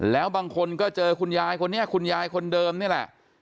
แล้วบางคนก็เจอคุณยายคนนี้คุณยายคนเดิมนี่แหละ